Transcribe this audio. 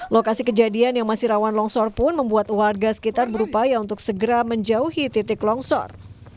lokasi kejadian yang masih rawan longsor pun membuat warga sekitar berupaya untuk segera menjauhi titik longsor